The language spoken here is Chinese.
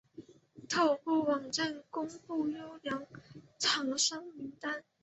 透过网站公布优良厂商名单